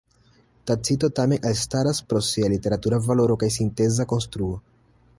Tacito tamen elstaras pro sia literatura valoro kaj sinteza konstruo.